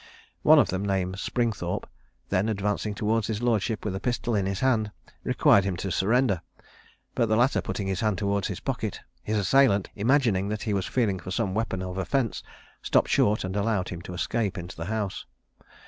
One of them, named Springthorpe, then advancing towards his lordship with a pistol in his hand, required him to surrender; but the latter, putting his hand towards his pocket, his assailant, imagining that he was feeling for some weapon of offence, stopped short and allowed him to escape into the house.